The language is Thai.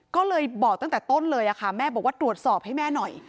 ก็เลยบอกตั้งแต่ต้นเลยค่ะแม่บอกว่าตรวจสอบให้แม่หน่อย